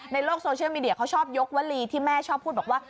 ในโลกโซเชียลมีเดียเขาชอบยกวลีที่แม่ชอบพูดบอกว่า